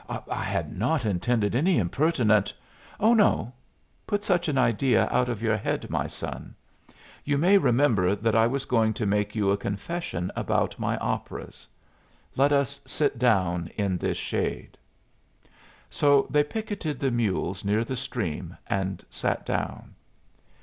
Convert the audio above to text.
"I had not intended any impertinent " "Oh no. Put such an idea out of your head, my son. You may remember that I was going to make you a confession about my operas. Let us sit down in this shade." So they picketed the mules near the stream and sat down.